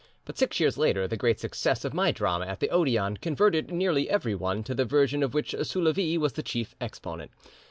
But six years later the great success of my drama at the Odeon converted nearly everyone to the version of which Soulavie was the chief exponent.